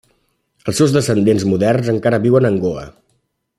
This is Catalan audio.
Els seus descendents moderns encara viuen en Goa.